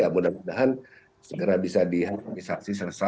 mudah mudahan segera bisa dihantar